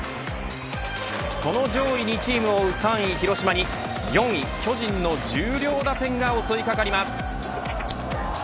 その上位２チームを追う３位、広島に４位巨人の重量打線が襲いかかります。